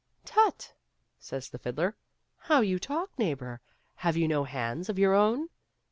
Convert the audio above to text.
"Tut !" says the fiddler, " how you talk, neighbor; have you no hands of your own